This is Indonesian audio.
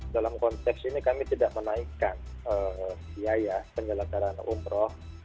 dalam konteks ini kami tidak menaikkan biaya penyelenggaraan umroh